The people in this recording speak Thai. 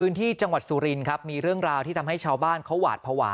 ที่จังหวัดสุรินครับมีเรื่องราวที่ทำให้ชาวบ้านเขาหวาดภาวะ